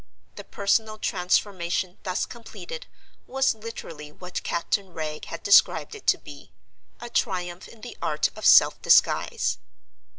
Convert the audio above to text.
The personal transformation thus completed was literally what Captain Wragge had described it to be—a triumph in the art of self disguise.